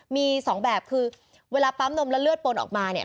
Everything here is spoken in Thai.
มีสองแบบคือเวลาปั๊มนมแล้วเลือดปนออกมาเนี่ย